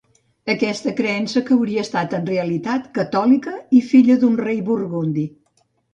Aquesta creença que hauria estat, en realitat catòlica i filla d'un rei burgundi.